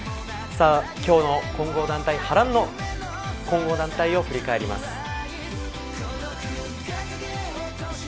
今日の混合団体、波乱の混合団体を振り返ります。